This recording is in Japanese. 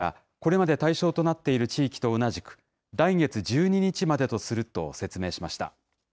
期間はいずれも、あさってから、これまで対象となっている地域と同じく、来月１２日までとすると説明しました。